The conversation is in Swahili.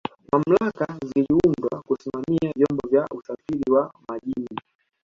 mamlaka ziliundwa Kusimamia vyombo vya usafiri wa majini